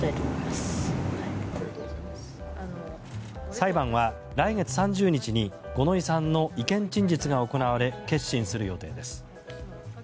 裁判は来月３０日に五ノ井さんの意見陳述が行われ結審する予定です。